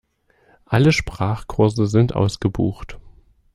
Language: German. Alle Sprachkurse sind ausgebucht.